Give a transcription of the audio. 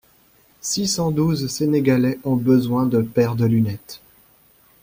Six cent douze sénégalais ont besoin de paires de lunettes.